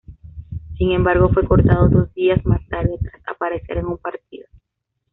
Sin embargo fue cortado dos días más tarde, tras aparecer en un partido.